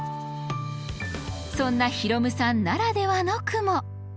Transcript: そんな宏陸さんならではの句も。